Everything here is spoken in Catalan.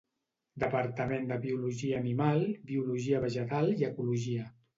Departament de Biologia Animal, Biologia Vegetal i Ecologia.